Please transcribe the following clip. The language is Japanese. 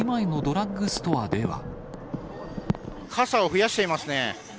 傘を増やしていますね。